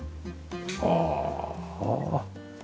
ああ。